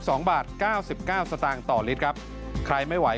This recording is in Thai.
โทษภาพชาวนี้ก็จะได้ราคาใหม่